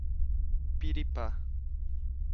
Piripá